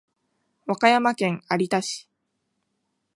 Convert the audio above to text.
和歌山県有田市